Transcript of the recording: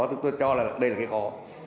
chúng tôi cho là đây là cái khó